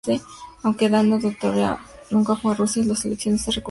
Aunque Anna Dorothea nunca fue a Rusia, los coleccionistas rusos apreciaron su trabajo.